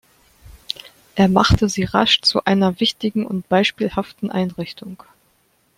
Er machte sie rasch zu einer wichtigen und beispielhaften Einrichtung.